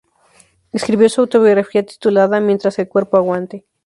Escribió su autobiografía titulada "Mientras el cuerpo aguante".